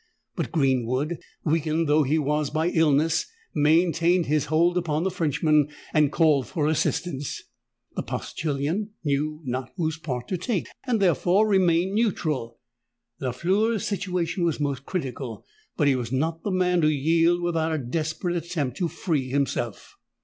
But Greenwood, weakened though he was by illness, maintained his hold upon the Frenchman, and called for assistance. The postillion knew not whose part to take, and therefore remained neutral. Lafleur's situation was most critical; but he was not the man to yield without a desperate attempt to free himself.